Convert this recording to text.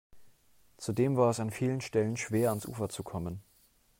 Zudem war es an vielen Stellen schwer, ans Ufer zu kommen.